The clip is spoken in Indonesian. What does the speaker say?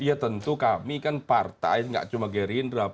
ya tentu kami kan partai nggak cuma gerindra